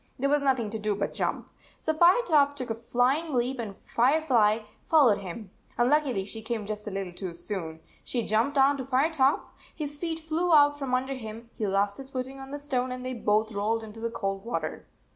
There was nothing to do but jump. So Firetop took a flying leap, and Firefly followed him. Unluckily she came just a little too soon. She jumped on to Firetop. His feet flew out from under him, he lost his footing on the stone, and they both rolled into the cold water.